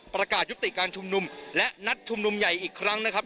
ประกาศยุติการชุมนุมและนัดชุมนุมใหญ่อีกครั้งนะครับ